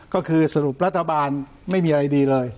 ก็คือสรุปรัฐบาลไม่มีอะไรดีเลย